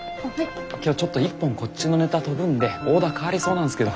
今日ちょっと１本こっちのネタ飛ぶんでオーダー変わりそうなんすけど。